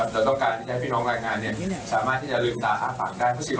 เราต้องการที่จะให้พี่น้องรายงานสามารถที่จะลืมตาอ้าปากได้